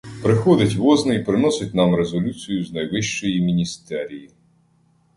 Приходить возний, приносить нам резолюцію з найвищої міністерії.